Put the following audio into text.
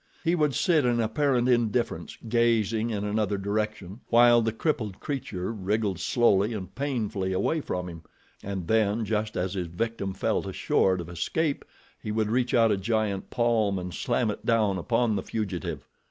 He would sit in apparent indifference, gazing in another direction, while the crippled creature wriggled slowly and painfully away from him, and then, just as his victim felt assured of escape, he would reach out a giant palm and slam it down upon the fugitive.